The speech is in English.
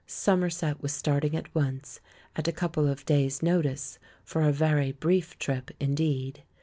Somerset was starting at once, at a couple of days' notice, for a very brief trip indeed.